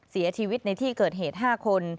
เสียชีวิตในที่เกิดเหตุ๕คน